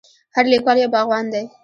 هر لیکوال یو باغوان دی.